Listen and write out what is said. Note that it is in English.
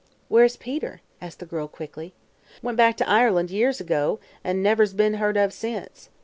"Where is Peter?" asked the girl quickly. "Went back to Ireland, years ago, and never's be'n heard of since.